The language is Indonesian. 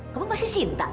kamu masih cinta